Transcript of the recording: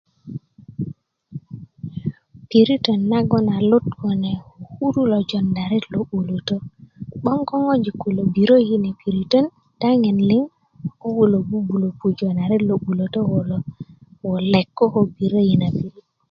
piritön nagon a lut kune ko kuru lo jonda ret lo 'bulötö 'boŋ ko ŋojik kulo biriyö kune piritön daŋin liŋ ko kulo bubulo pujö na ret lo 'bulötö kulo wulek ko ko biriyö i na pirit